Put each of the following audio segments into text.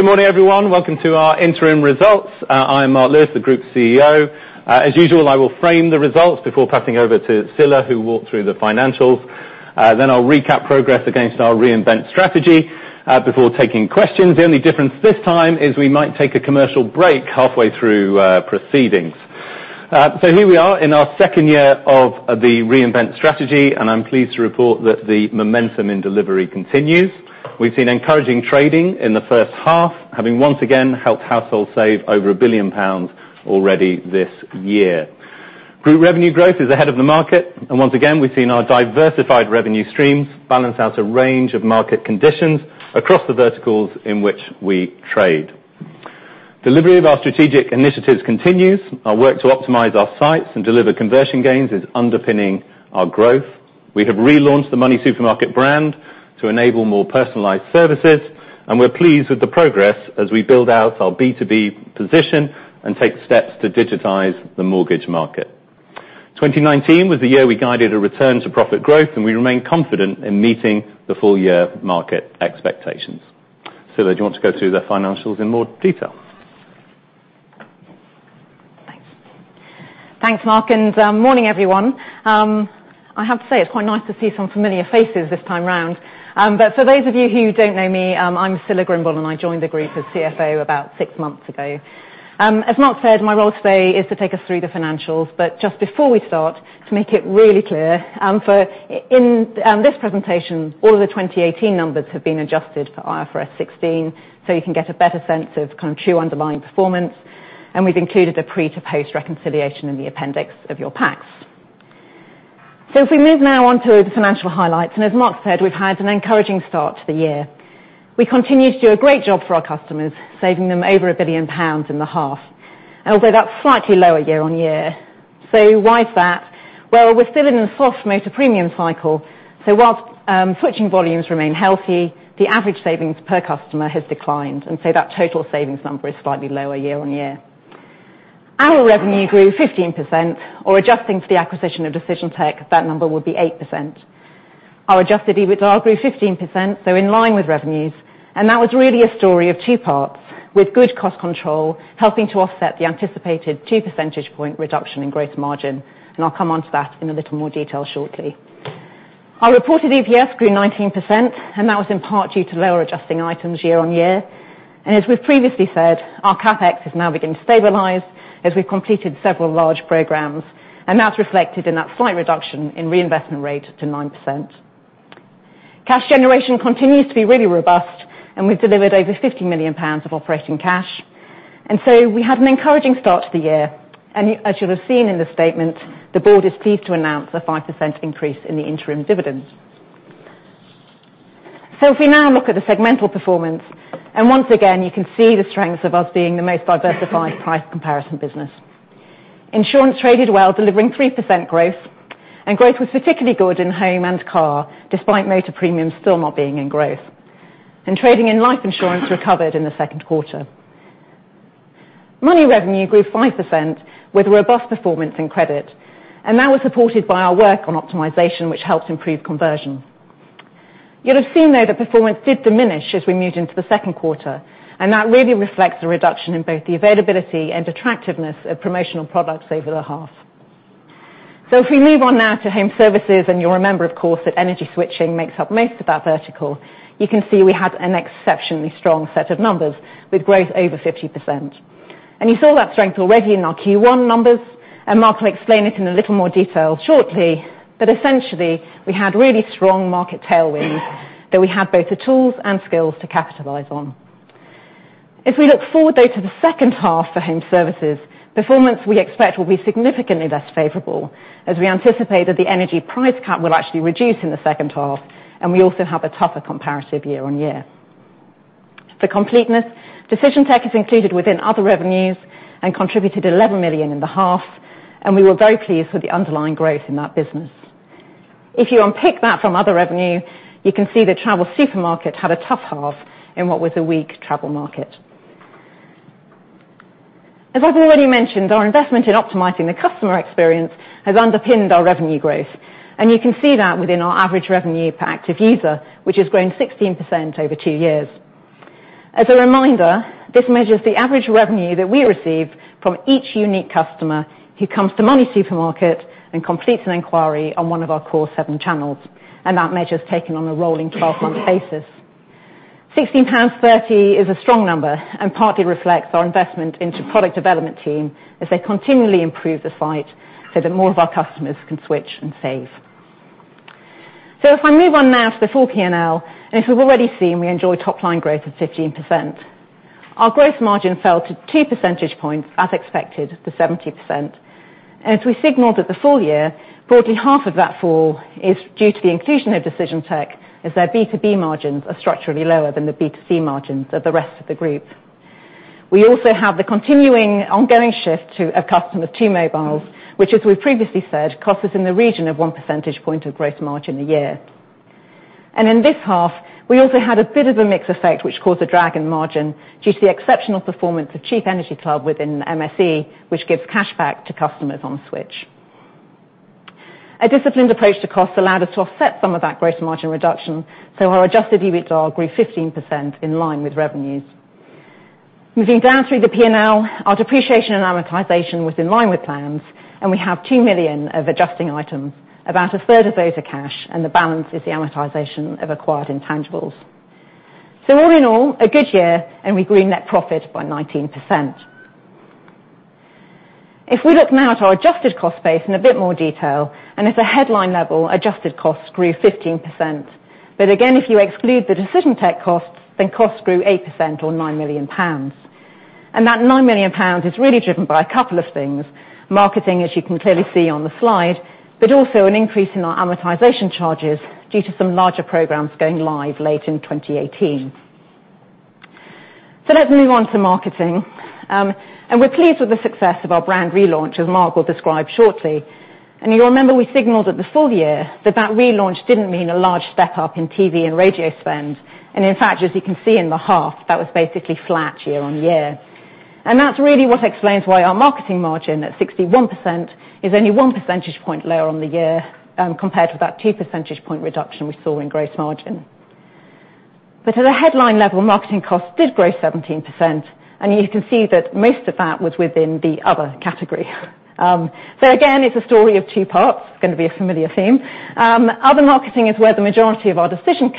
Good morning, everyone. Welcome to our interim results. I am Mark Lewis, the Group CEO. As usual, I will frame the results before passing over to Scilla, who will walk through the financials. I'll recap progress against our Reinvent strategy before taking questions. The only difference this time is we might take a commercial break halfway through proceedings. Here we are in our second year of the Reinvent strategy, and I'm pleased to report that the momentum in delivery continues. We've seen encouraging trading in the first half, having once again helped households save over 1 billion pounds already this year. Group revenue growth is ahead of the market, and once again, we've seen our diversified revenue streams balance out a range of market conditions across the verticals in which we trade. Delivery of our strategic initiatives continues. Our work to optimize our sites and deliver conversion gains is underpinning our growth. We have relaunched the MoneySuperMarket brand to enable more personalized services, and we're pleased with the progress as we build out our B2B position and take steps to digitize the mortgage market. 2019 was the year we guided a return to profit growth, and we remain confident in meeting the full-year market expectations. Scilla, do you want to go through the financials in more detail? Thanks, Mark, and morning everyone. I have to say, it's quite nice to see some familiar faces this time around. For those of you who don't know me, I'm Scilla Grimble, and I joined the group as CFO about 6 months ago. As Mark said, my role today is to take us through the financials. Just before we start, to make it really clear in this presentation, all of the 2018 numbers have been adjusted for IFRS 16 so you can get a better sense of true underlying performance, and we've included a pre to post reconciliation in the appendix of your packs. If we move now on to the financial highlights, and as Mark said, we've had an encouraging start to the year. We continue to do a great job for our customers, saving them over 1 billion pounds in the half, although that's slightly lower year-on-year. Why is that? Well, we're still in a soft motor premium cycle, so whilst switching volumes remain healthy, the average savings per customer has declined, and so that total savings number is slightly lower year-on-year. Our revenue grew 15%, or adjusting for the acquisition of Decision Tech, that number would be 8%. Our adjusted EBITDA grew 15%, so in line with revenues. That was really a story of two parts with good cost control, helping to offset the anticipated 2 percentage point reduction in growth margin. I'll come onto that in a little more detail shortly. Our reported EPS grew 19%, and that was in part due to lower adjusting items year-on-year. As we've previously said, our CapEx has now begun to stabilize as we've completed several large programs, and that's reflected in that slight reduction in reinvestment rate to 9%. Cash generation continues to be really robust, and we've delivered over 50 million pounds of operating cash. We had an encouraging start to the year. As you'll have seen in the statement, the board is pleased to announce a 5% increase in the interim dividend. If we now look at the segmental performance, once again, you can see the strengths of us being the most diversified price comparison business. Insurance traded well, delivering 3% growth, and growth was particularly good in home and car, despite motor premiums still not being in growth. Trading in life insurance recovered in the second quarter. Money revenue grew 5% with robust performance in credit, and that was supported by our work on optimization, which helped improve conversion. You'll have seen, though, the performance did diminish as we moved into the second quarter, and that really reflects the reduction in both the availability and attractiveness of promotional products over the half. If we move on now to home services, you'll remember, of course, that energy switching makes up most of our vertical. You can see we had an exceptionally strong set of numbers with growth over 50%. You saw that strength already in our Q1 numbers, and Mark will explain it in a little more detail shortly. Essentially, we had really strong market tailwinds that we had both the tools and skills to capitalize on. If we look forward, though, to the second half for home services, performance we expect will be significantly less favorable as we anticipate that the energy price cap will actually reduce in the second half, and we also have a tougher comparative year-on-year. For completeness, Decision Tech is included within other revenues and contributed 11 million in the half. We were very pleased with the underlying growth in that business. If you unpick that from other revenue, you can see the TravelSupermarket had a tough half in what was a weak travel market. As I've already mentioned, our investment in optimizing the customer experience has underpinned our revenue growth, and you can see that within our average revenue per active user, which has grown 16% over 2 years. As a reminder, this measures the average revenue that we receive from each unique customer who comes to MoneySuperMarket and completes an inquiry on one of our core seven channels, and that measure's taken on a rolling 12-month basis. 16.30 pounds is a strong number and partly reflects our investment into product development team as they continually improve the site so that more of our customers can switch and save. If I move on now to the full P&L, as we've already seen, we enjoy top line growth of 15%. Our growth margin fell to 2 percentage points, as expected, to 70%. As we signaled at the full year, broadly half of that fall is due to the inclusion of Decision Tech, as their B2B margins are structurally lower than the B2C margins of the rest of the group. We also have the continuing ongoing shift to a customer to mobiles, which, as we've previously said, cost us in the region of one percentage point of gross margin a year. In this half, we also had a bit of a mix effect, which caused a drag in margin due to the exceptional performance of Cheap Energy Club within MSE, which gives cashback to customers on Switch. A disciplined approach to cost allowed us to offset some of that gross margin reduction, our adjusted EBITDA grew 15%, in line with revenues. Moving down through the P&L, our depreciation and amortization was in line with plans, and we have 2 million of adjusting items. About a third of those are cash, the balance is the amortization of acquired intangibles. All in all, a good year, and we grew net profit by 19%. If we look now at our adjusted cost base in a bit more detail, at the headline level, adjusted costs grew 15%. If you exclude the Decision Tech costs grew 8% or 9 million pounds. That 9 million pounds is really driven by a couple of things, marketing, as you can clearly see on the slide, but also an increase in our amortization charges due to some larger programs going live late in 2018. Let's move on to marketing. We're pleased with the success of our brand relaunch, as Mark will describe shortly. You'll remember we signaled at the full year that that relaunch didn't mean a large step up in TV and radio spend. In fact, as you can see in the half, that was basically flat year-on-year. That's really what explains why our marketing margin at 61% is only one percentage point lower on the year, compared with that two percentage point reduction we saw in gross margin. At a headline level, marketing costs did grow 17%, and you can see that most of that was within the other category. Again, it's a story of two parts. It's going to be a familiar theme. Other marketing is where the majority of our Decision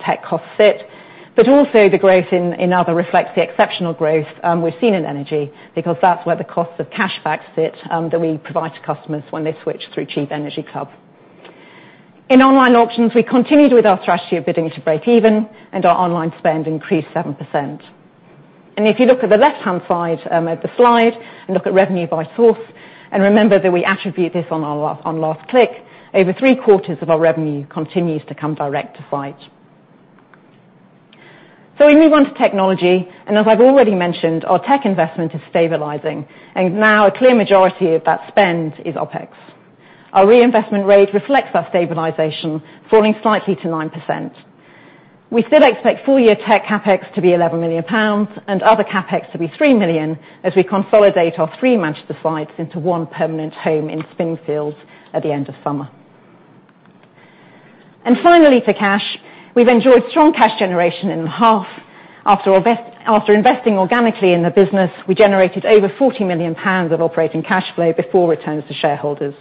Tech costs sit, but also the growth in other reflects the exceptional growth we've seen in energy, because that's where the costs of cashback sit that we provide to customers when they switch through Cheap Energy Club. In online auctions, we continued with our strategy of bidding to break even, our online spend increased 7%. If you look at the left-hand side of the slide, look at revenue by source, remember that we attribute this on last click, over three-quarters of our revenue continues to come direct to site. We move on to technology, as I've already mentioned, our tech investment is stabilizing, now a clear majority of that spend is opex. Our reinvestment rate reflects our stabilization, falling slightly to 9%. We still expect full-year tech CapEx to be 11 million pounds, other CapEx to be 3 million, as we consolidate our three Manchester sites into one permanent home in Spinningfields at the end of summer. Finally, to cash. We've enjoyed strong cash generation in the half. After investing organically in the business, we generated over 40 million pounds of operating cash flow before returns to shareholders.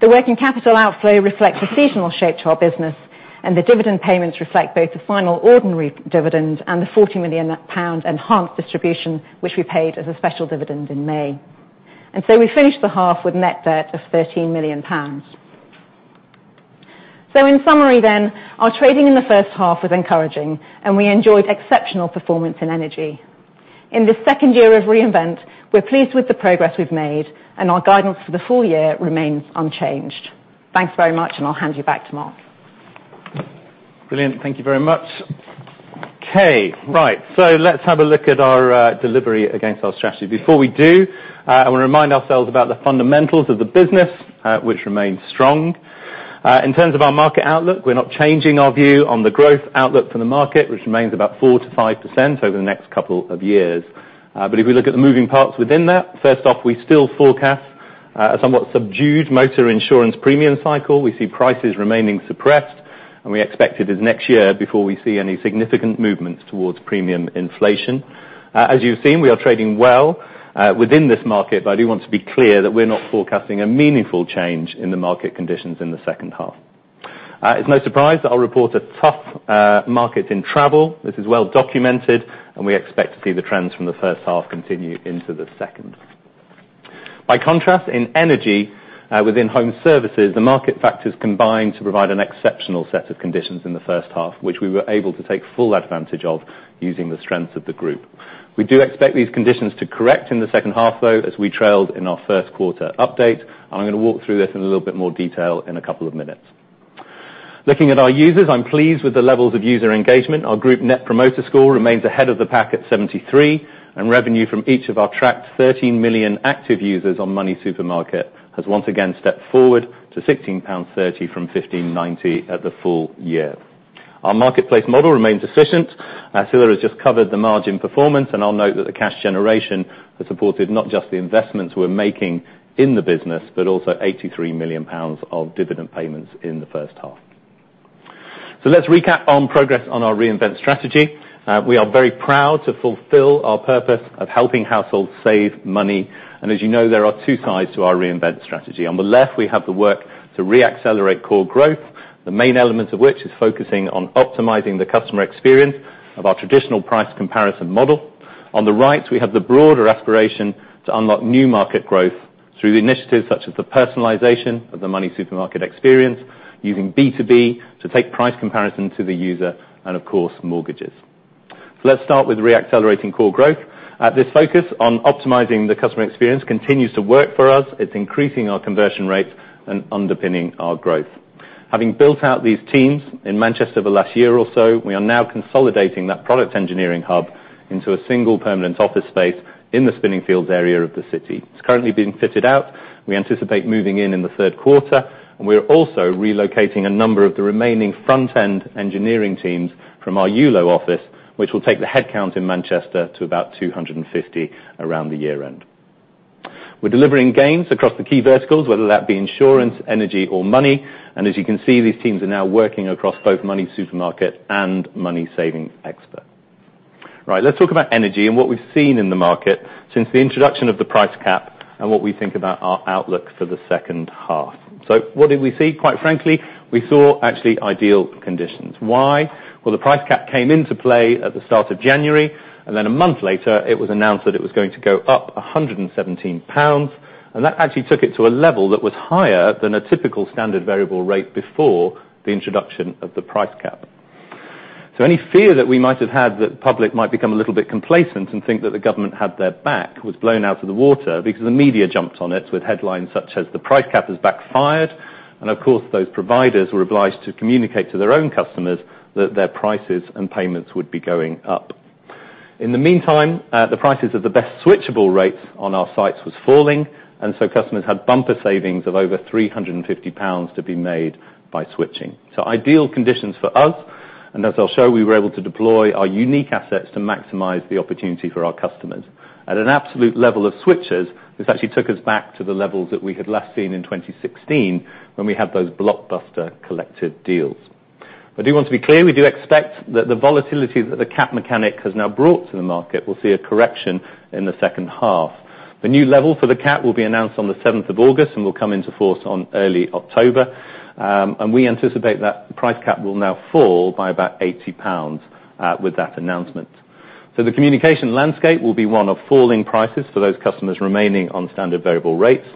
The working capital outflow reflects the seasonal shape to our business, and the dividend payments reflect both the final ordinary dividend and the 40 million pound enhanced distribution, which we paid as a special dividend in May. We finished the half with net debt of 13 million pounds. In summary, our trading in the first half was encouraging, and we enjoyed exceptional performance in energy. In this second year of Reinvent, we're pleased with the progress we've made, and our guidance for the full year remains unchanged. Thanks very much, and I'll hand you back to Mark. Brilliant. Thank you very much. Okay. Right. Let's have a look at our delivery against our strategy. Before we do, I want to remind ourselves about the fundamentals of the business, which remain strong. In terms of our market outlook, we're not changing our view on the growth outlook for the market, which remains about 4%-5% over the next couple of years. If we look at the moving parts within that, first off, we still forecast a somewhat subdued motor insurance premium cycle. We see prices remaining suppressed. We expect it is next year before we see any significant movements towards premium inflation. As you've seen, we are trading well within this market, I do want to be clear that we're not forecasting a meaningful change in the market conditions in the second half. It's no surprise that I'll report a tough market in travel. This is well documented, and we expect to see the trends from the first half continue into the second. By contrast, in energy within home services, the market factors combine to provide an exceptional set of conditions in the first half, which we were able to take full advantage of using the strengths of the group. We do expect these conditions to correct in the second half, though, as we trailed in our first quarter update. I'm going to walk through this in a little bit more detail in a couple of minutes. Looking at our users, I'm pleased with the levels of user engagement. Our group Net Promoter Score remains ahead of the pack at 73, and revenue from each of our tracked 13 million active users on MoneySuperMarket has once again stepped forward to GBP 16.30 from GBP 15.90 at the full year. Our marketplace model remains efficient. Scilla has just covered the margin performance, and I'll note that the cash generation has supported not just the investments we're making in the business, but also 83 million pounds of dividend payments in the first half. Let's recap on progress on our Reinvent strategy. We are very proud to fulfill our purpose of helping households save money. As you know, there are two sides to our Reinvent strategy. On the left, we have the work to re-accelerate core growth, the main element of which is focusing on optimizing the customer experience of our traditional price comparison model. On the right, we have the broader aspiration to unlock new market growth through initiatives such as the personalization of the MoneySuperMarket experience, using B2B to take price comparison to the user, and of course, mortgages. Let's start with re-accelerating core growth. This focus on optimizing the customer experience continues to work for us. It's increasing our conversion rates and underpinning our growth. Having built out these teams in Manchester for the last year or so, we are now consolidating that product engineering hub into a single permanent office space in the Spinningfields area of the city. It's currently being fitted out. We anticipate moving in in the third quarter. We are also relocating a number of the remaining front-end engineering teams from our Ewloe office, which will take the headcount in Manchester to about 250 around the year end. We're delivering gains across the key verticals, whether that be insurance, energy, or money. As you can see, these teams are now working across both MoneySuperMarket and MoneySavingExpert. Right. Let's talk about energy and what we've seen in the market since the introduction of the price cap, and what we think about our outlook for the second half. What did we see? Quite frankly, we saw actually ideal conditions. Why? Well, the price cap came into play at the start of January, and then a month later, it was announced that it was going to go up 117 pounds, and that actually took it to a level that was higher than a typical standard variable rate before the introduction of the price cap. Any fear that we might have had that the public might become a little bit complacent and think that the government had their back, was blown out of the water because the media jumped on it with headlines such as, "The price cap has backfired." Of course, those providers were obliged to communicate to their own customers that their prices and payments would be going up. In the meantime, the prices of the best switchable rates on our sites was falling, and so customers had bumper savings of over 350 pounds to be made by switching. Ideal conditions for us, and as I'll show, we were able to deploy our unique assets to maximize the opportunity for our customers. At an absolute level of switchers, this actually took us back to the levels that we had last seen in 2016 when we had those blockbuster collected deals. I do want to be clear, we do expect that the volatility that the cap mechanic has now brought to the market will see a correction in the second half. The new level for the cap will be announced on the 7th of August and will come into force on early October. We anticipate that the price cap will now fall by about 80 pounds with that announcement. The communication landscape will be one of falling prices for those customers remaining on standard variable rates.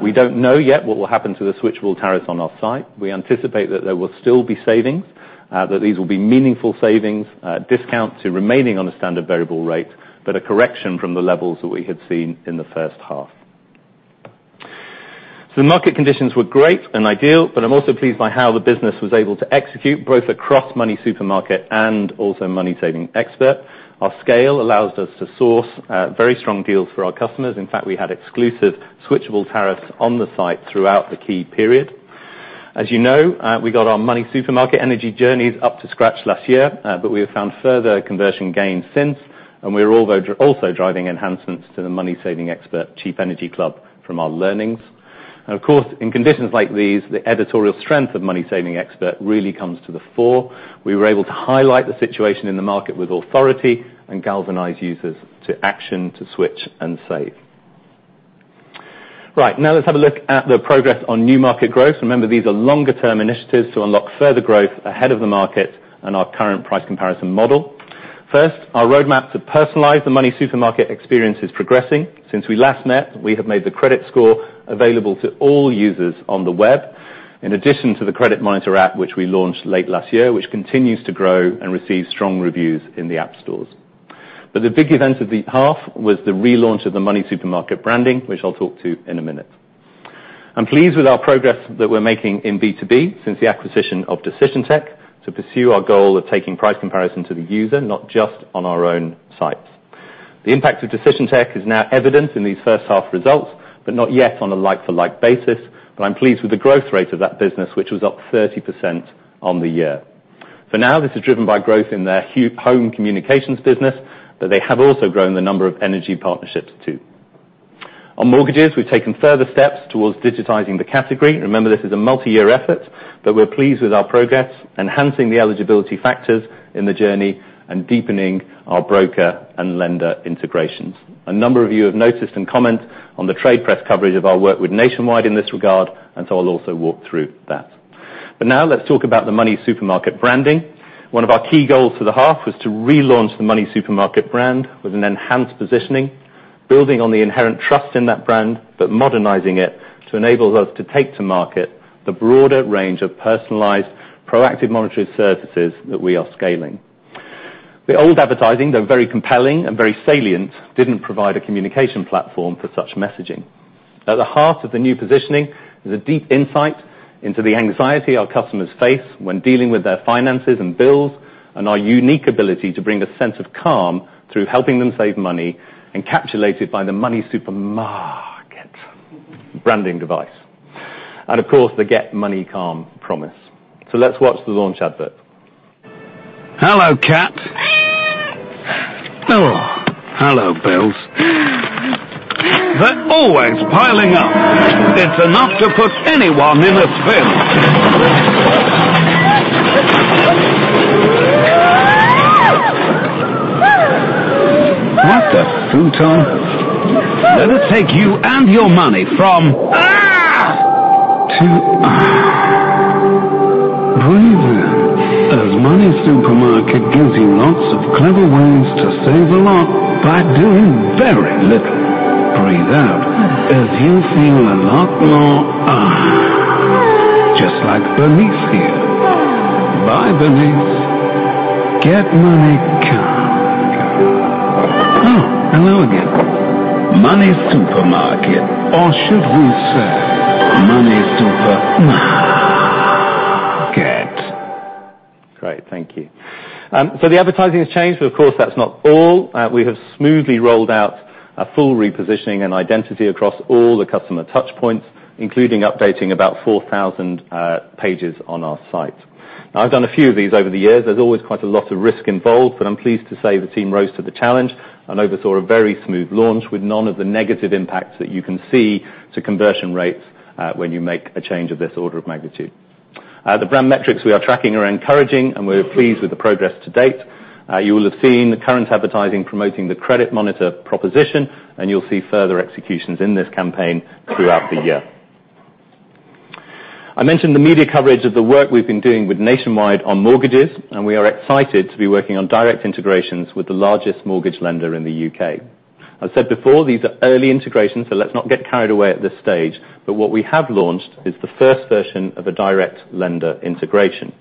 We don't know yet what will happen to the switchable tariffs on our site. We anticipate that there will still be savings, that these will be meaningful savings, discounts to remaining on a standard variable rate, but a correction from the levels that we had seen in the first half. The market conditions were great and ideal, but I'm also pleased by how the business was able to execute, both across MoneySuperMarket and also MoneySavingExpert. Our scale allows us to source very strong deals for our customers. In fact, we had exclusive switchable tariffs on the site throughout the key period. As you know, we got our MoneySuperMarket energy journeys up to scratch last year, but we have found further conversion gains since, and we are also driving enhancements to the MoneySavingExpert Cheap Energy Club from our learnings. Of course, in conditions like these, the editorial strength of MoneySavingExpert really comes to the fore. We were able to highlight the situation in the market with authority and galvanize users to action, to switch and save. Right. Now, let's have a look at the progress on new market growth. Remember, these are longer-term initiatives to unlock further growth ahead of the market and our current price comparison model. First, our roadmap to personalize the MoneySuperMarket experience is progressing. Since we last met, we have made the credit score available to all users on the web, in addition to the Credit Monitor app which we launched late last year, which continues to grow and receive strong reviews in the app stores. The big event of the half was the relaunch of the MoneySuperMarket branding, which I'll talk to in a minute. I'm pleased with our progress that we're making in B2B since the acquisition of Decision Tech, to pursue our goal of taking price comparison to the user, not just on our own sites. The impact of Decision Tech is now evident in these first half results, but not yet on a like-to-like basis, but I'm pleased with the growth rate of that business, which was up 30% on the year. For now, this is driven by growth in their home communications business, but they have also grown the number of energy partnerships too. On mortgages, we've taken further steps towards digitizing the category. Remember, this is a multi-year effort, but we're pleased with our progress, enhancing the eligibility factors in the journey and deepening our broker and lender integrations. A number of you have noticed and comment on the trade press coverage of our work with Nationwide in this regard, and so I'll also walk through that. Now let's talk about the MoneySuperMarket branding. One of our key goals for the half was to relaunch the MoneySuperMarket brand with an enhanced positioning, building on the inherent trust in that brand, but modernizing it to enable us to take to market the broader range of personalized, proactive monetary services that we are scaling. The old advertising, though very compelling and very salient, didn't provide a communication platform for such messaging. At the heart of the new positioning is a deep insight into the anxiety our customers face when dealing with their finances and bills, and our unique ability to bring a sense of calm through helping them save money, encapsulated by the MoneySuperMarket branding device. The Get Money Calm promise. Let's watch the launch advert. Hello, cat. Hello, bills. They're always piling up. It's enough to put anyone in a spin. What the fruitcake? Let us take you and your money from to breathe in as MoneySuperMarket gives you lots of clever ways to save a lot by doing very little. Breathe out as you feel a lot more. Just like Bernice here. Bye, Bernice. Get Money Calm. Hello again. MoneySuperMarket, or should we say MoneySuperMarket. Great. Thank you. The advertising has changed, but of course, that's not all. We have smoothly rolled out a full repositioning and identity across all the customer touchpoints, including updating about 4,000 pages on our site. I've done a few of these over the years. There's always quite a lot of risk involved, but I'm pleased to say the team rose to the challenge and oversaw a very smooth launch with none of the negative impacts that you can see to conversion rates when you make a change of this magnitude. The brand metrics we are tracking are encouraging, and we're pleased with the progress to date. You will have seen the current advertising promoting the Credit Monitor proposition, and you'll see further executions in this campaign throughout the year. I mentioned the media coverage of the work we've been doing with Nationwide on mortgages, and we are excited to be working on direct integrations with the largest mortgage lender in the U.K. I've said before, these are early integrations, let's not get carried away at this stage, but what we have launched is the first version of a direct lender integration.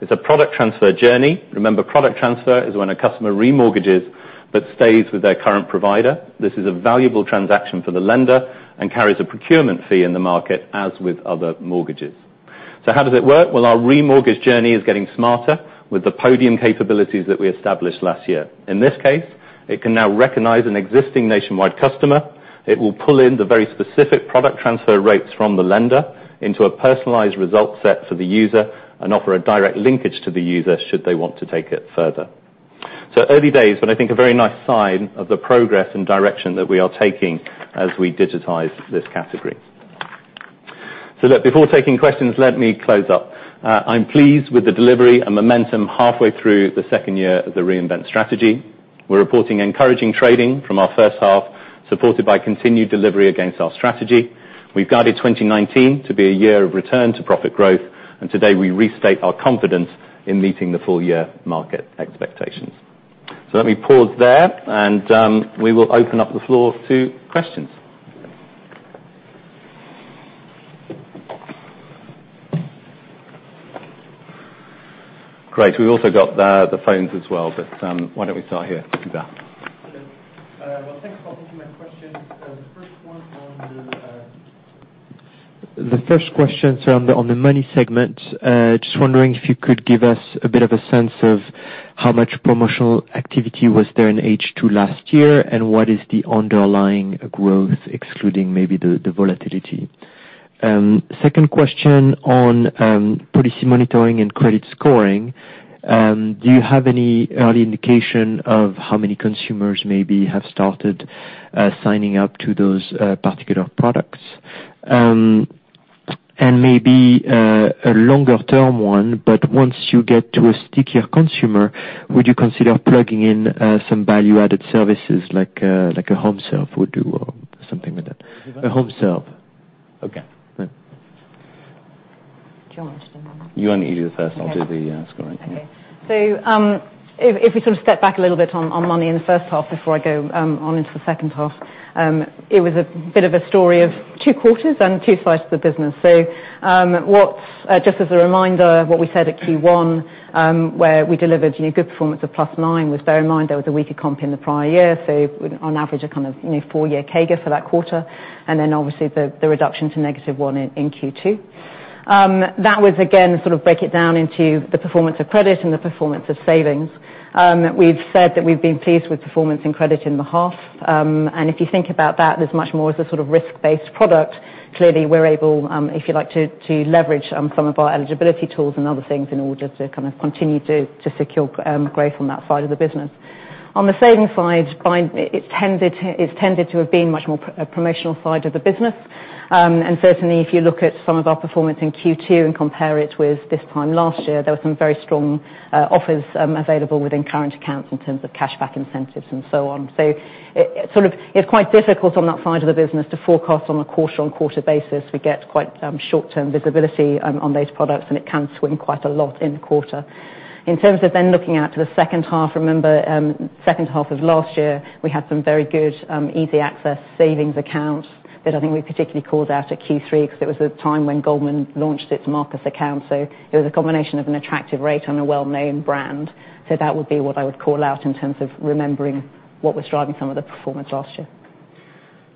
It's a product transfer journey. Remember, product transfer is when a customer remortgages but stays with their current provider. This is a valuable transaction for the lender and carries a procurement fee in the market, as with other mortgages. How does it work? Our remortgage journey is getting smarter with the Podium capabilities that we established last year. In this case, it can now recognize an existing Nationwide customer. It will pull in the very specific product transfer rates from the lender into a personalized result set for the user and offer a direct linkage to the user should they want to take it further. Early days, but I think a very nice sign of the progress and direction that we are taking as we digitize this category. Look, before taking questions, let me close up. I'm pleased with the delivery and momentum halfway through the second year of the Reinvent strategy. We're reporting encouraging trading from our first half, supported by continued delivery against our strategy. We've guided 2019 to be a year of return to profit growth, and today we restate our confidence in meeting the full year market expectations. Let me pause there, and we will open up the floor to questions. Great. We've also got the phones as well, why don't we start here? Yeah. Well, thanks for taking my question. The first question is on the Money segment. Just wondering if you could give us a bit of a sense of how much promotional activity was there in H2 last year, and what is the underlying growth, excluding maybe the volatility? Second question on policy monitoring and credit scoring. Do you have any early indication of how many consumers maybe have started signing up to those particular products? Maybe a longer term one, once you get to a stickier consumer, would you consider plugging in some value-added services like a HomeServe would do or something like that? A HomeServe. HomeServe. Okay. Do you want to answer that one? You and Edith first. I'll do the scoring. If we sort of step back a little bit on money in the first half before I go on into the second half, it was a bit of a story of two quarters and two sides of the business. Just as a reminder, what we said at Q1 where we delivered good performance of plus nine was, bear in mind, there was a weaker comp in the prior year. On average, a kind of four-year CAGR for that quarter. Obviously the reduction to negative one in Q2. That was, again, sort of break it down into the performance of credit and the performance of savings. We've said that we've been pleased with performance and credit in the half. If you think about that as much more as a sort of risk-based product, clearly we are able, if you like, to leverage some of our eligibility tools and other things in order to kind of continue to secure growth on that side of the business. On the savings side, it has tended to have been much more a promotional side of the business. Certainly, if you look at some of our performance in Q2 and compare it with this time last year, there were some very strong offers available within current accounts in terms of cashback incentives and so on. It is quite difficult on that side of the business to forecast on a quarter-on-quarter basis. We get quite short-term visibility on those products, and it can swing quite a lot in the quarter. In terms of looking out to the second half, remember second half of last year, we had some very good easy access savings accounts that I think we particularly called out at Q3 because it was a time when Goldman launched its Marcus account. It was a combination of an attractive rate and a well-known brand. That would be what I would call out in terms of remembering what was driving some of the performance last year.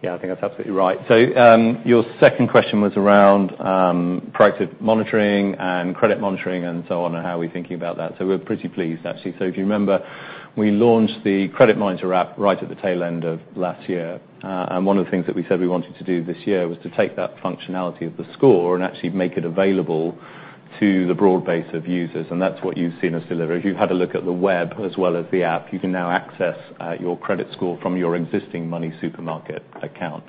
Yeah, I think that is absolutely right. Your second question was around product monitoring and credit monitoring and so on and how we are thinking about that. We are pretty pleased, actually. If you remember, we launched the Credit Monitor app right at the tail end of last year. One of the things that we said we wanted to do this year was to take that functionality of the score and actually make it available to the broad base of users, and that is what you have seen us deliver. If you had a look at the web as well as the app, you can now access your credit score from your existing MoneySuperMarket account.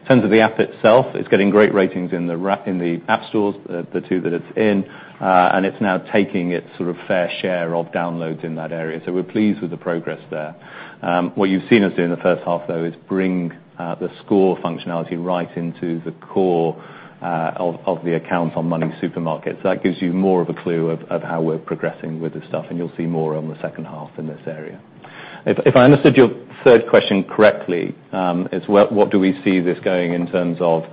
In terms of the app itself, it is getting great ratings in the app stores, the two that it is in, and it is now taking its sort of fair share of downloads in that area. We are pleased with the progress there. What you have seen us do in the first half, though, is bring the score functionality right into the core of the account on MoneySuperMarket. That gives you more of a clue of how we are progressing with this stuff, and you will see more on the second half in this area. If I understood your third question correctly, it is what do we see this going in terms of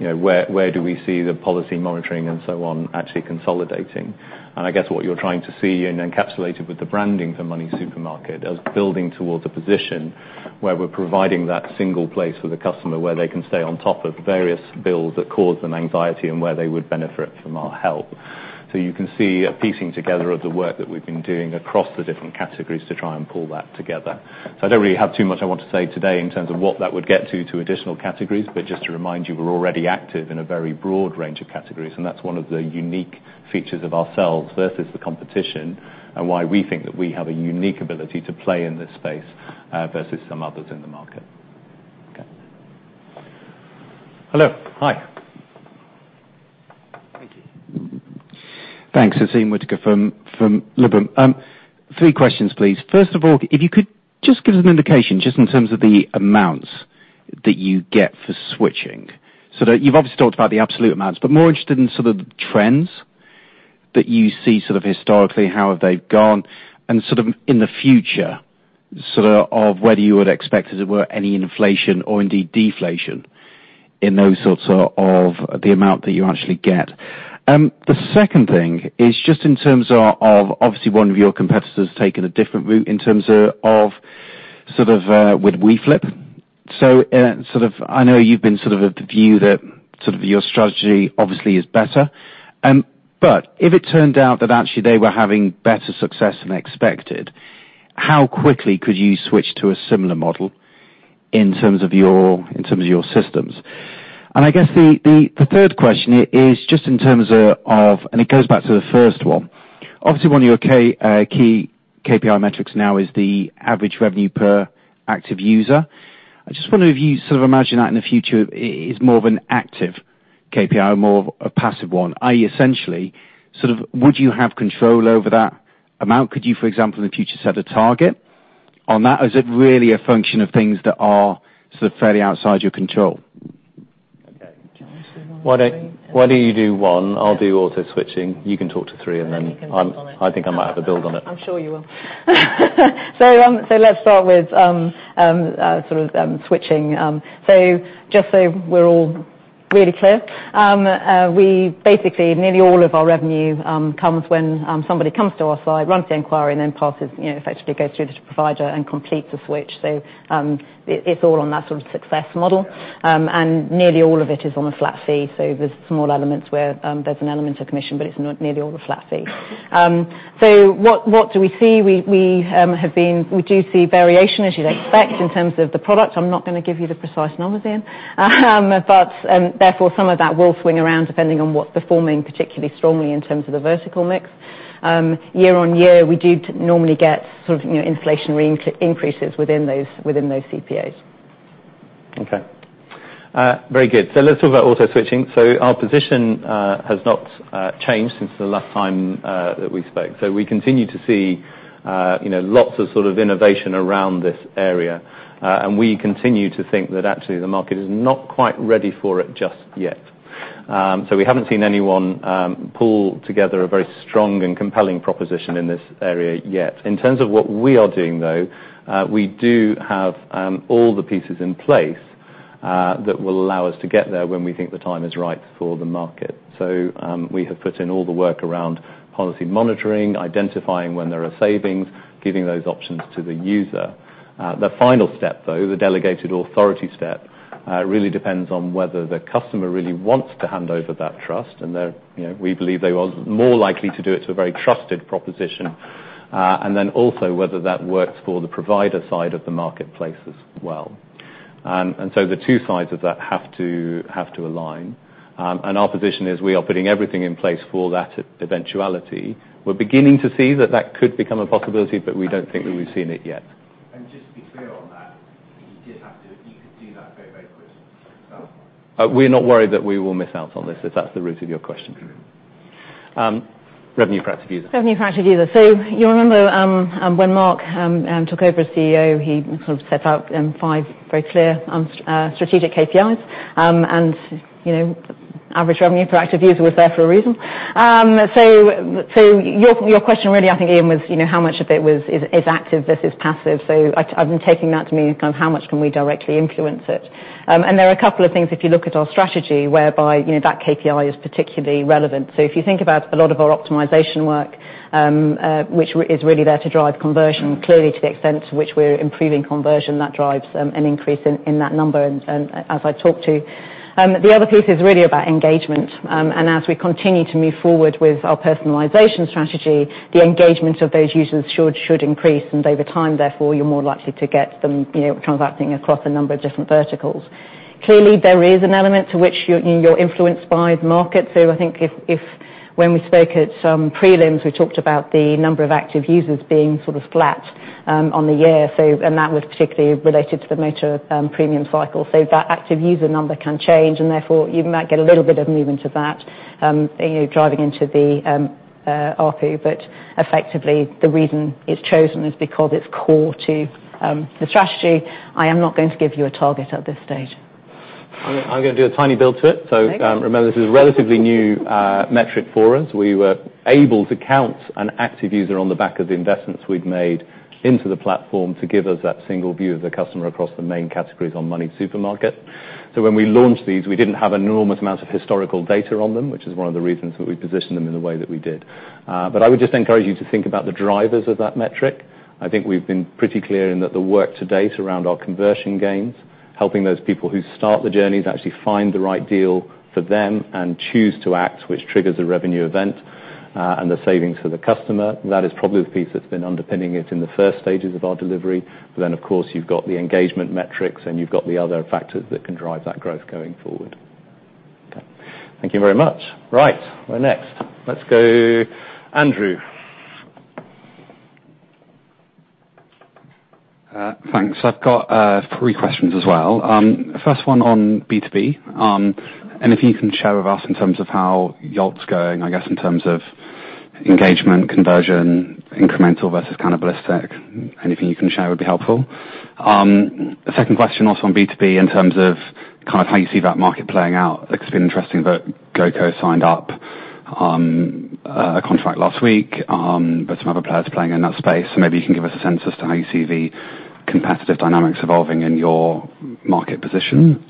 where do we see the policy monitoring and so on actually consolidating? I guess what you are trying to see encapsulated with the branding for MoneySuperMarket as building towards a position where we are providing that single place for the customer where they can stay on top of various bills that cause them anxiety and where they would benefit from our help. You can see a piecing together of the work that we've been doing across the different categories to try and pull that together. I don't really have too much I want to say today in terms of what that would get to additional categories. Just to remind you, we're already active in a very broad range of categories, and that's one of the unique features of ourselves versus the competition and why we think that we have a unique ability to play in this space versus some others in the market. Okay. Hello. Hi. Thank you. Thanks. Naseem Whittaker from Liberum. Three questions, please. First of all, if you could just give us an indication, just in terms of the amounts that you get for switching. You've obviously talked about the absolute amounts, but more interested in sort of trends that you see historically, how have they gone and in the future, of whether you would expect, as it were, any inflation or indeed deflation in those sorts of the amount that you actually get. The second thing is just in terms of obviously one of your competitors taking a different route in terms of sort of with weflip. I know you've been of the view that your strategy obviously is better. If it turned out that actually they were having better success than expected, how quickly could you switch to a similar model in terms of your systems? I guess the third question is just in terms of, it goes back to the first one. Obviously one of your key KPI metrics now is the average revenue per active user. I just wonder if you sort of imagine that in the future is more of an active KPI, more of a passive one, i.e., essentially, would you have control over that amount? Could you, for example, in the future, set a target on that? Or is it really a function of things that are sort of fairly outside your control? Okay. Do you want to do one and three? Why don't you do one? I'll do auto switching. You can talk to three, then you can build on it I think I might have a build on it. I'm sure you will. Let's start with switching. Just so we're all really clear, basically nearly all of our revenue comes when somebody comes to our site, runs the inquiry, then passes, effectively goes through to the provider and completes the switch. It's all on that sort of success model. Nearly all of it is on a flat fee, so there's small elements where there's an element of commission, but it's nearly all a flat fee. What do we see? We do see variation, as you'd expect, in terms of the product. I'm not going to give you the precise numbers, Ian. Therefore, some of that will swing around depending on what's performing particularly strongly in terms of the vertical mix. Year-on-year, we do normally get sort of inflationary increases within those CPAs. Okay. Very good. Let's talk about auto switching. Our position has not changed since the last time that we spoke. We continue to see lots of innovation around this area. We continue to think that actually the market is not quite ready for it just yet. We haven't seen anyone pull together a very strong and compelling proposition in this area yet. In terms of what we are doing, though, we do have all the pieces in place that will allow us to get there when we think the time is right for the market. We have put in all the work around policy monitoring, identifying when there are savings, giving those options to the user. The final step, though, the delegated authority step, really depends on whether the customer really wants to hand over that trust, and we believe they are more likely to do it to a very trusted proposition, and then also whether that works for the provider side of the marketplace as well. The two sides of that have to align. Our position is we are putting everything in place for that eventuality. We're beginning to see that that could become a possibility, but we don't think that we've seen it yet. Just to be clear on that, you could do that very, very quickly yourself. We're not worried that we will miss out on this, if that's the root of your question. Revenue per active user. Revenue per active user. You'll remember when Mark took over as CEO, he sort of set out five very clear strategic KPIs. Average revenue per active user was there for a reason. Your question really, I think, Ian, was how much of it is active versus passive. I've been taking that to mean kind of how much can we directly influence it. There are a couple of things, if you look at our strategy, whereby that KPI is particularly relevant. If you think about a lot of our optimization work, which is really there to drive conversion. Clearly, to the extent to which we're improving conversion, that drives an increase in that number, and as I talked to. The other piece is really about engagement. As we continue to move forward with our personalization strategy, the engagement of those users should increase, and over time, therefore, you're more likely to get them transacting across a number of different verticals. Clearly, there is an element to which you're influenced by the market. I think when we spoke at some prelims, we talked about the number of active users being sort of flat on the year. That was particularly related to the motor premium cycle. That active user number can change, and therefore, you might get a little bit of movement of that driving into the ARPU. Effectively, the reason it's chosen is because it's core to the strategy. I am not going to give you a target at this stage. I'm going to do a tiny build to it. Okay. Remember, this is a relatively new metric for us. We were able to count an active user on the back of the investments we've made into the platform to give us that single view of the customer across the main categories on MoneySuperMarket. When we launched these, we didn't have an enormous amount of historical data on them, which is one of the reasons that we positioned them in the way that we did. I would just encourage you to think about the drivers of that metric. I think we've been pretty clear in that the work to date around our conversion gains, helping those people who start the journey to actually find the right deal for them and choose to act, which triggers a revenue event, and the savings for the customer. That is probably the piece that's been underpinning it in the first stages of our delivery. Then, of course, you've got the engagement metrics, and you've got the other factors that can drive that growth going forward. Okay. Thank you very much. Right, where next? Let's go, Andrew. Thanks. I've got three questions as well. First one on B2B, if you can share with us in terms of how Yolt's going, I guess, in terms of engagement, conversion, incremental versus cannibalistic, anything you can share would be helpful. The second question, also on B2B, in terms of how you see that market playing out, it's been interesting that GoCo signed up a contract last week, but some other players playing in that space. Maybe you can give us a sense as to how you see the competitive dynamics evolving in your market position.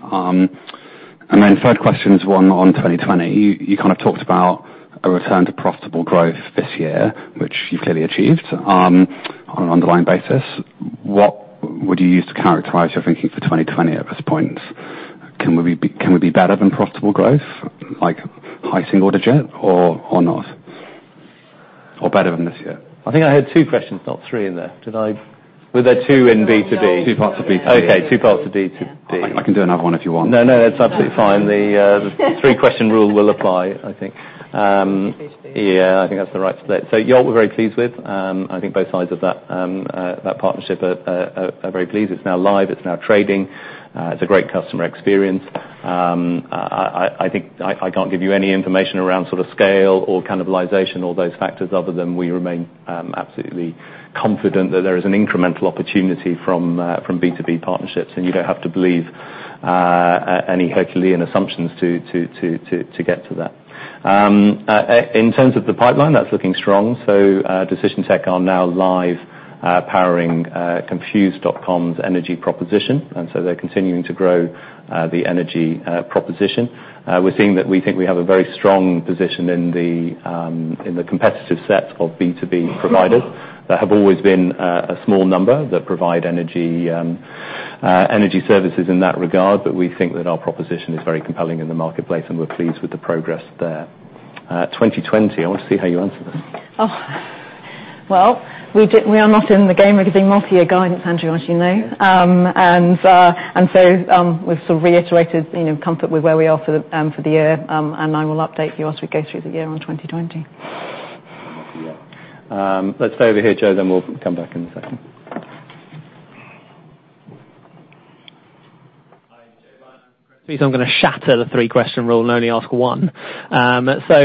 My third question is one on 2020. You talked about a return to profitable growth this year, which you've clearly achieved on an underlying basis. What would you use to characterize your thinking for 2020 at this point? Can we be better than profitable growth, like high single-digit, or not? Better than this year? I think I heard two questions, not three in there. Were there two in B2B? Two parts of B2B. Okay, two parts to B2B. I can do another one if you want. No, that's absolutely fine. The three-question rule will apply, I think. Yeah, I think that's the right split. Yolt, we're very pleased with. I think both sides of that partnership are very pleased. It's now live. It's now trading. It's a great customer experience. I think I can't give you any information around scale or cannibalization, all those factors other than we remain absolutely confident that there is an incremental opportunity from B2B partnerships, and you don't have to believe any Herculean assumptions to get to that. In terms of the pipeline, that's looking strong. Decision Tech are now live powering Confused.com's energy proposition. They're continuing to grow the energy proposition. We're seeing that we think we have a very strong position in the competitive set of B2B providers that have always been a small number that provide energy services in that regard. We think that our proposition is very compelling in the marketplace, and we're pleased with the progress there. 2020, I want to see how you answer this. Well, we are not in the game of giving multi-year guidance, Andrew, as you know. We've sort of reiterated comfort with where we are for the year, and I will update you as we go through the year on 2020. Not yet. Let's stay over here, Joe, we'll come back in a second. Hi, Joe Lyons from Christie. I'm going to shatter the three-question rule and only ask one.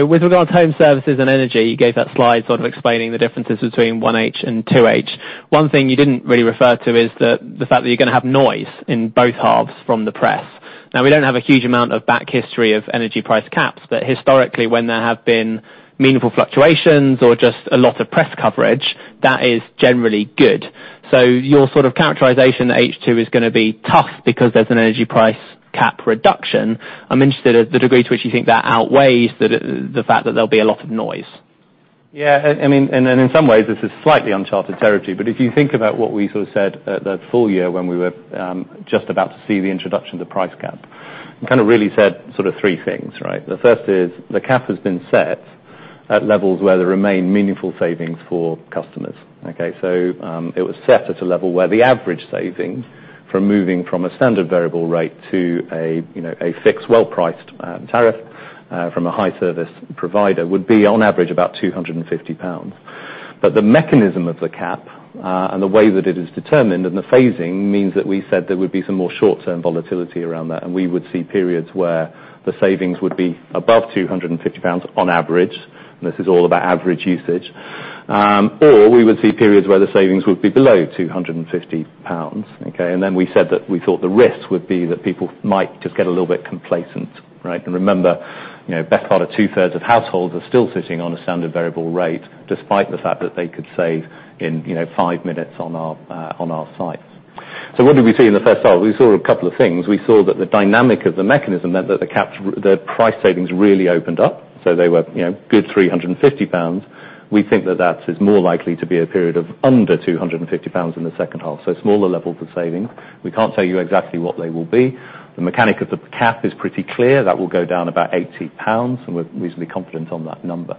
With regards to home services and energy, you gave that slide sort of explaining the differences between 1H and 2H. One thing you didn't really refer to is the fact that you're going to have noise in both halves from the press. We don't have a huge amount of back history of energy price caps, but historically when there have been meaningful fluctuations or just a lot of press coverage, that is generally good. Your sort of characterization that H2 is going to be tough because there's an energy price cap reduction, I'm interested at the degree to which you think that outweighs the fact that there'll be a lot of noise. In some ways this is slightly uncharted territory. If you think about what we sort of said at the full year when we were just about to see the introduction of the price cap. We kind of really said sort of three things, right? The first is the cap has been set at levels where there remain meaningful savings for customers. Okay? It was set at a level where the average savings from moving from a standard variable rate to a fixed well-priced tariff from a high-service provider would be, on average, about 250 pounds. The mechanism of the cap, and the way that it is determined and the phasing means that we said there would be some more short-term volatility around that, and we would see periods where the savings would be above 250 pounds on average, and this is all about average usage. Or we would see periods where the savings would be below 250 pounds, okay? We said that we thought the risk would be that people might just get a little bit complacent, right? Remember, best part of two-thirds of households are still sitting on a standard variable rate despite the fact that they could save in five minutes on our sites. What did we see in the first half? We saw a couple of things. We saw that the dynamic of the mechanism meant that the price savings really opened up. They were good 350 pounds. We think that that is more likely to be a period of under 250 pounds in the second half, so smaller levels of savings. We can't tell you exactly what they will be. The mechanic of the cap is pretty clear. That will go down about 80 pounds, and we're reasonably confident on that number.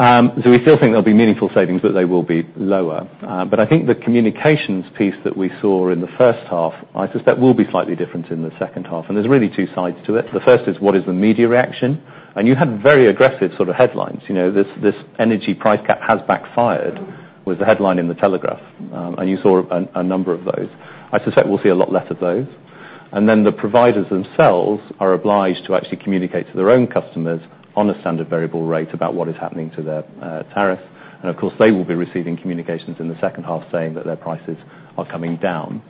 We still think there'll be meaningful savings, but they will be lower. I think the communications piece that we saw in the first half, I suspect will be slightly different in the second half, and there's really two sides to it. The first is what is the media reaction, and you had very aggressive sort of headlines. This energy price cap has backfired, was the headline in "The Telegraph." You saw a number of those. I suspect we'll see a lot less of those. The providers themselves are obliged to actually communicate to their own customers on a standard variable rate about what is happening to their tariff. Of course, they will be receiving communications in the second half saying that their prices are coming down.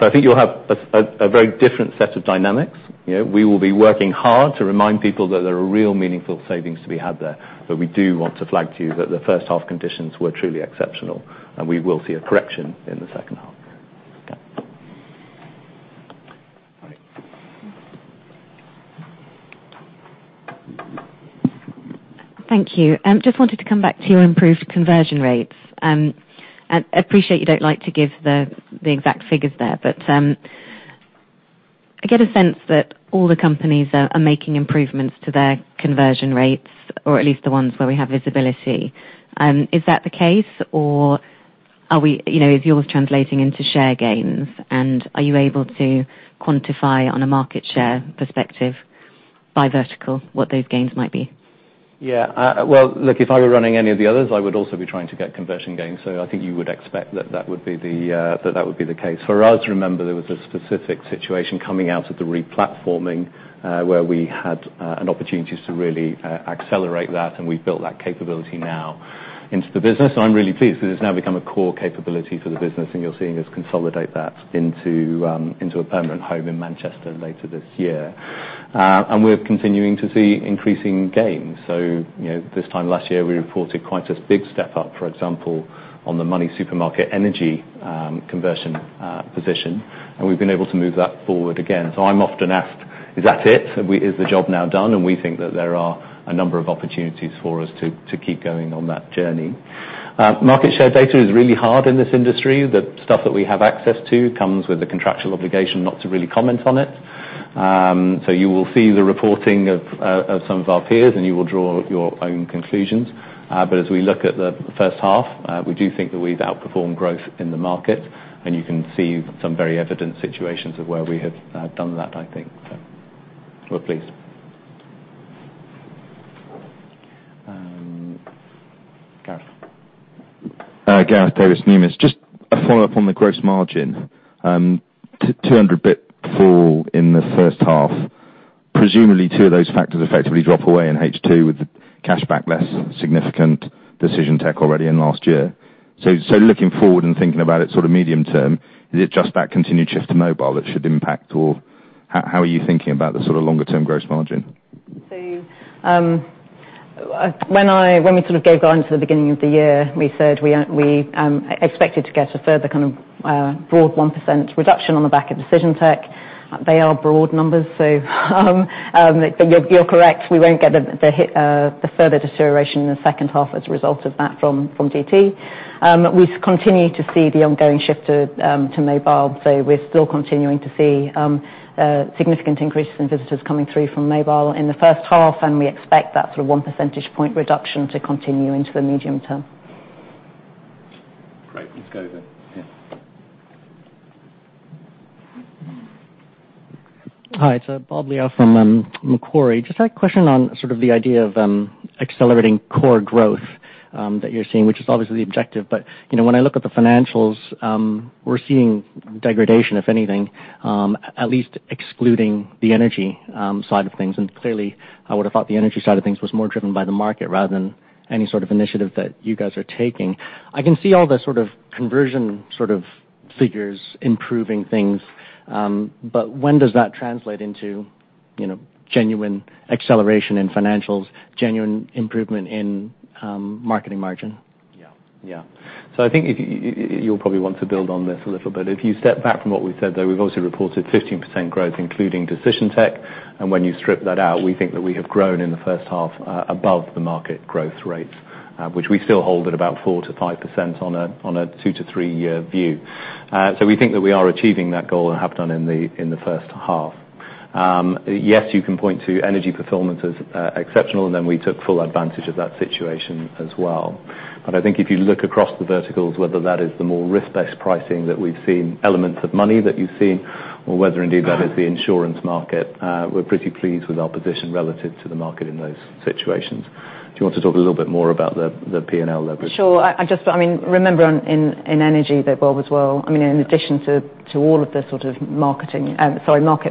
I think you'll have a very different set of dynamics. We will be working hard to remind people that there are real meaningful savings to be had there. We do want to flag to you that the first half conditions were truly exceptional, and we will see a correction in the second half Thank you. Just wanted to come back to your improved conversion rates. I appreciate you don't like to give the exact figures there, but I get a sense that all the companies are making improvements to their conversion rates, or at least the ones where we have visibility. Is that the case, or is yours translating into share gains? Are you able to quantify on a market share perspective by vertical what those gains might be? Yeah. Well, look, if I were running any of the others, I would also be trying to get conversion gains, so I think you would expect that would be the case. For us, remember, there was a specific situation coming out of the re-platforming, where we had an opportunity to really accelerate that, and we've built that capability now into the business, and I'm really pleased because it's now become a core capability for the business, and you're seeing us consolidate that into a permanent home in Manchester later this year. We're continuing to see increasing gains. This time last year, we reported quite a big step up, for example, on the MoneySuperMarket energy conversion position, and we've been able to move that forward again. I'm often asked, "Is that it? Is the job now done?" We think that there are a number of opportunities for us to keep going on that journey. Market share data is really hard in this industry. The stuff that we have access to comes with a contractual obligation not to really comment on it. You will see the reporting of some of our peers, and you will draw your own conclusions. As we look at the first half, we do think that we've outperformed growth in the market, and you can see some very evident situations of where we have done that, I think. We're pleased. Gareth. Gareth Davies, Numis. Just a follow-up on the gross margin. 200 basis point fall in the first half. Presumably, two of those factors effectively drop away in H2 with the cashback less significant Decision Tech already in last year. Looking forward and thinking about it sort of medium term, is it just that continued shift to mobile that should impact, or how are you thinking about the sort of longer-term gross margin? When we sort of gave guidance at the beginning of the year, we said we expected to get a further kind of broad 1% reduction on the back of Decision Tech. They are broad numbers, so you're correct. We won't get the further deterioration in the second half as a result of that from DT. We continue to see the ongoing shift to mobile, so we're still continuing to see significant increases in visitors coming through from mobile in the first half, and we expect that sort of one percentage point reduction to continue into the medium term. Great. Let's go over here. Hi, it's Bob Liao from Macquarie. Just had a question on sort of the idea of accelerating core growth that you're seeing, which is obviously the objective. When I look at the financials, we're seeing degradation, if anything, at least excluding the energy side of things. Clearly, I would've thought the energy side of things was more driven by the market rather than any sort of initiative that you guys are taking. I can see all the sort of conversion sort of figures improving things. When does that translate into genuine acceleration in financials, genuine improvement in marketing margin? Yeah. I think you'll probably want to build on this a little bit. If you step back from what we've said, though, we've obviously reported 15% growth, including Decision Tech. When you strip that out, we think that we have grown in the first half above the market growth rates, which we still hold at about 4%-5% on a 2- to 3-year view. We think that we are achieving that goal and have done in the first half. Yes, you can point to energy fulfillment as exceptional, and we took full advantage of that situation as well. I think if you look across the verticals, whether that is the more risk-based pricing that we've seen elements of money that you've seen, or whether indeed that is the insurance market, we're pretty pleased with our position relative to the market in those situations. Do you want to talk a little bit more about the P&L leverage? Sure. Remember in energy, though, Bob, as well, in addition to all of the sort of market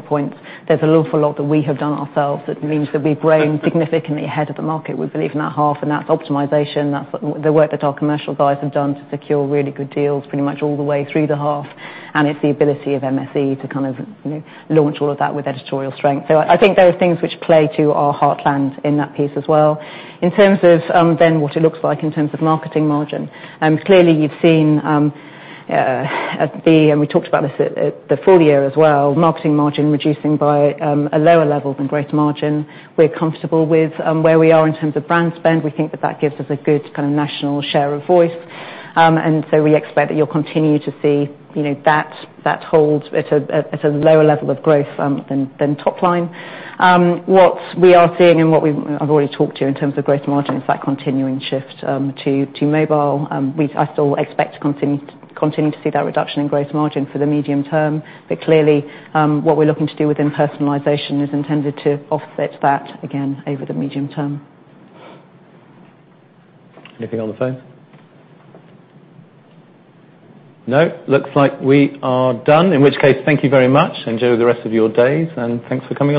points, there's an awful lot that we have done ourselves that means that we've grown significantly ahead of the market we believe in that half, and that's optimization. That's the work that our commercial guys have done to secure really good deals pretty much all the way through the half. It's the ability of MSE to kind of launch all of that with editorial strength. I think there are things which play to our heartland in that piece as well. In terms of what it looks like in terms of marketing margin. Clearly, you've seen, and we talked about this at the full year as well, marketing margin reducing by a lower level than gross margin. We're comfortable with where we are in terms of brand spend. We think that that gives us a good kind of national share of voice. We expect that you'll continue to see that hold at a lower level of growth than top line. What we are seeing and what I've already talked to you in terms of gross margin is that continuing shift to mobile. I still expect to continue to see that reduction in gross margin for the medium term. Clearly, what we're looking to do within personalization is intended to offset that again over the medium term. Anything on the phone? No. Looks like we are done. In which case, thank you very much. Enjoy the rest of your day, and thanks for coming.